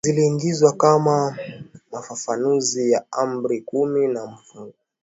ziliagizwa kama mafafanuzi ya Amri kumi na Mafunuo ya Hukumu zinazotokana na Kuasi Amri